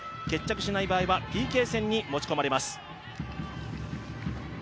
決着しない場合はＰＫ戦に持ち込まれます。